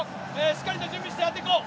しっかりと準備してやっていこう。